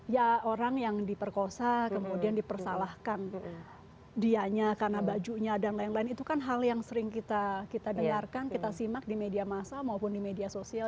ya orang yang diperkosa kemudian dipersalahkan dianya karena bajunya dan lain lain itu kan hal yang sering kita dengarkan kita simak di media masa maupun di media sosial